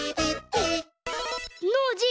ノージー